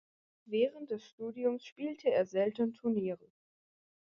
Während des Studiums spielte er selten Turniere.